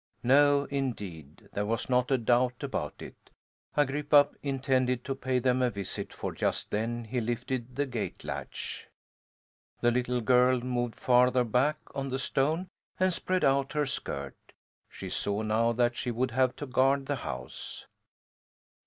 No, indeed, there was not a doubt about it Agrippa intended to pay them a visit, for just then he lifted the gate latch. The little girl moved farther back on the stone and spread out her skirt. She saw now that she would have to guard the house.